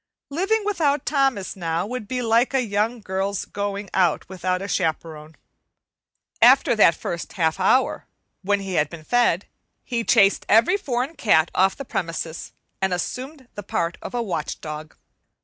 Living without Thomas now would be like a young girl's going out without a chaperone. After that first half hour, when he had been fed, he chased every foreign cat off the premises, and assumed the part of a watch dog.